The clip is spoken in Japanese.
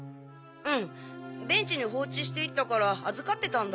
うんベンチに放置していったから預かってたんだ。